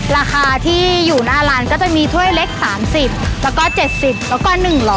ราคาที่อยู่หน้าร้านก็จะมีถ้วยเล็ก๓๐แล้วก็๗๐แล้วก็๑๐๐